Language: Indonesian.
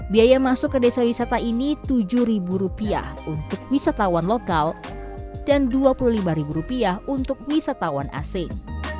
biaya masuk ke desa wisata ini rp tujuh untuk wisatawan lokal dan rp dua puluh lima untuk wisatawan asing